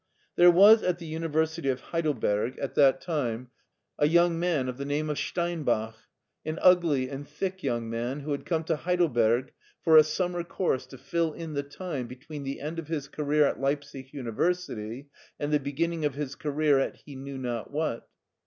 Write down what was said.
There was at the University of Heidelberg at that 88 MARTIN SCHt)LER time a young man of the name of Steinbach, an ugly and thick young man who had come to Heidelberg for a summer course to fill in the time between the end of his career at Leipsic University and the beginning of his career at he knew not what.